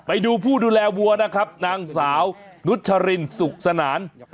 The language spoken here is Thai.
ไปดูผู้ดูแลวัวนะครับนางสาวนุชรินสุขสนาน